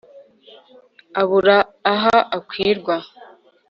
ibura aha ikwirwa